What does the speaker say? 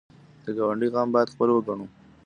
د ګاونډي غم باید خپل وګڼو